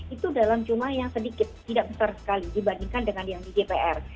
itu dalam jumlah yang sedikit tidak besar sekali dibandingkan dengan yang di dpr